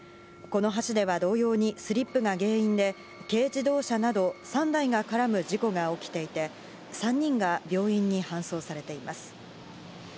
この橋では同様にスリップが原因で軽自動車など３台が絡む事故が起きていて、３人が病院に搬送されています。